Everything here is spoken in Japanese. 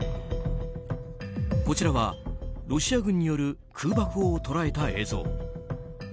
こちらは、ロシア軍による空爆を捉えた映像。